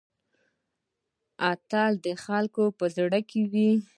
اتل د خلکو په زړه کې وي